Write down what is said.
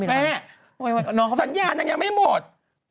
แม่สัญญานางยังไม่หมด